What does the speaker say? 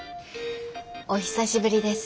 お久しぶりです。